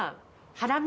ハラミ。